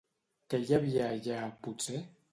Què hi havia allà potser?